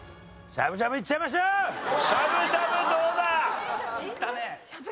しゃぶしゃぶどうだ？